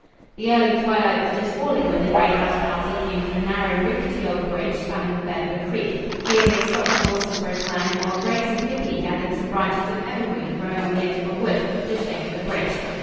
The early twilight was just falling when the Gray house party came to a narrow, rickety old bridge spanning the bed of a creek. Here they stopped the horses for a time, while Grace and Hippy gathered some branches of evergreen growing on the edge of a wood, just over the bridge.